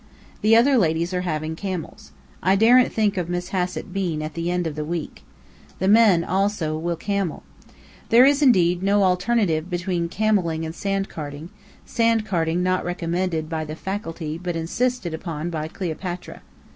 The other ladies are having camels. I daren't think of Miss Hassett Bean at the end of the week. The men, also, will camel. There is, indeed, no alternative between camelling and sandcarting sandcarting not recommended by the faculty but insisted upon by Cleopatra.